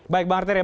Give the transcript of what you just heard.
baik bang arteria